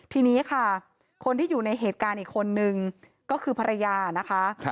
ทีนี้ค่ะคนที่อยู่ในเหตุการณ์อีกคนนึงก็คือภรรยานะคะ